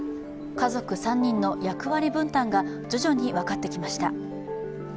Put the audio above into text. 家族３人の役割分担が徐々に分かってきました。